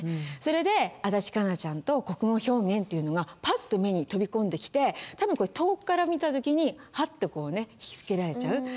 それで足立佳奈ちゃんと「国語表現」っていうのがパッと目に飛び込んできて多分これ遠くから見た時にハッとこうね引きつけられちゃう。